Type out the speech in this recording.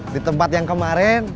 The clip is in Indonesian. di tempat yang kemarin